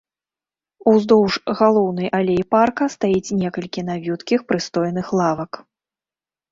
Уздоўж галоўнай алеі парка стаіць некалькі навюткіх прыстойных лавак.